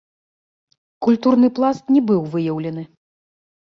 Культурны пласт не быў выяўлены.